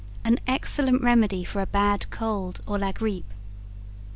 An Excellent Remedy for a Bad Cold or LaGrippe.